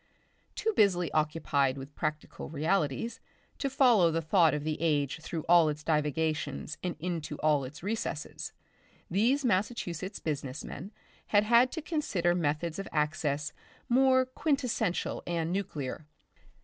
Too busily occupied with practical realities to follow the thought of the age through all its divagations and into all its recesses, these Massachusetts business men had had to consider methods of access more quintessential and nuclear.